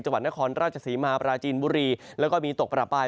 จังหวัดนครราชศรีมาปราจีนบุรีแล้วก็มีตกประปาย